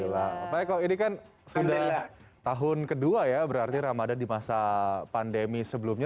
pak eko ini kan sudah tahun kedua ya berarti ramadan di masa pandemi sebelumnya